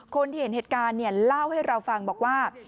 คนที่เห็นเหตุการณ์เล่าให้เราฟังบอกว่า